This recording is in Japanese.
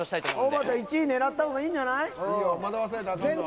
おばた１位狙ったほういいんじゃない？